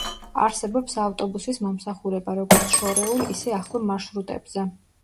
არსებობს ავტობუსის მომსახურება, როგორც შორეულ ისე ახლო მარშრუტებზე.